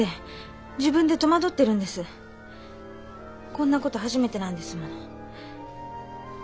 こんな事初めてなんですもの。